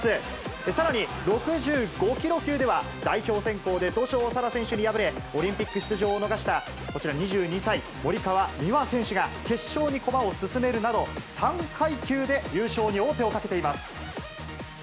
さらに、６５キロ級では代表選考で土性沙羅選手に敗れ、オリンピック出場を逃したこちら２２歳、森川美和選手が決勝に駒を進めるなど、３階級で優勝に王手をかけています。